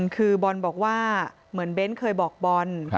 คือบอลบอกว่าเหมือนเบ้นเคยบอกบอล